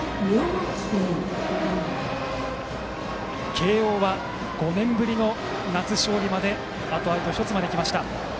慶応は５年ぶりの夏勝利まであとアウト１つ。